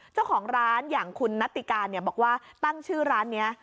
เจ้าของร้านอย่างคุณนัตติการบอกว่าตั้งชื่อร้านนี้